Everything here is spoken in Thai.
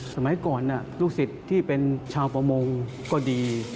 สมัยก่อนลูกศิษย์ที่เป็นชาวประมงก็ดี